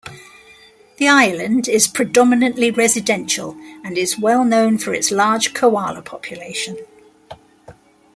The island is predominantly residential and is well known for its large koala population.